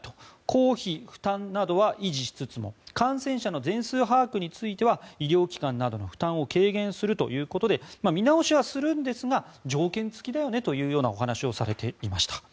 公費負担などは維持しつつも感染者の全数把握については医療機関などの負担を軽減するということで見直しはするんですが条件付きだよねというお話をされていました。